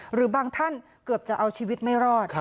หรือบางท่านเกือบจะเอาชีวิตไม่รอด